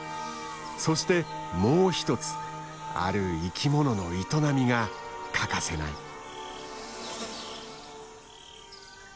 そしてもう一つある生きものの営みが欠かせない。